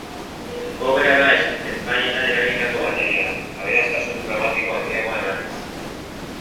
Kobrea da ezpainetan erabilitako materiala, aberastasun kromatiko handiagoa emanez.